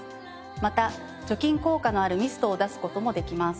また除菌効果のあるミストを出す事もできます。